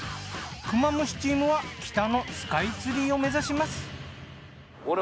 クマムシチームは北のスカイツリーを目指します。